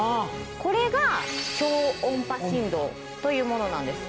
これが超音波振動というものなんです。